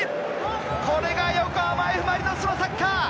これが横浜Ｆ・マリノスのサッカー！